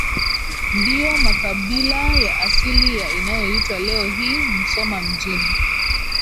ndiyo makabila ya asili ya inayoitwa leo hii Musoma mjini